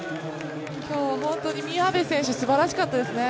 今日は本当に宮部選手すばらしかったですね。